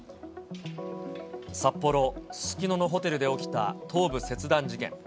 札幌・すすきののホテルで起きた頭部切断事件。